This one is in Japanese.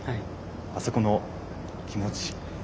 あそこの気持ち。